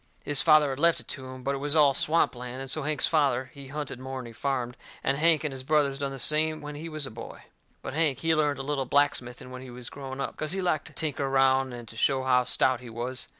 His father had left it to him, but it was all swamp land, and so Hank's father, he hunted more'n he farmed, and Hank and his brothers done the same when he was a boy. But Hank, he learnt a little blacksmithing when he was growing up, cause he liked to tinker around and to show how stout he was.